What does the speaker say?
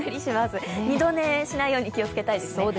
二度寝しないように気をつけたいですね。